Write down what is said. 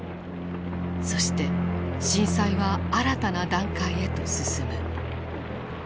そして震災は新たな段階へと進む。